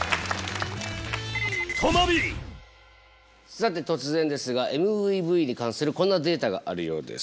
さて突然ですがＭＶＶに関するこんなデータがあるようです。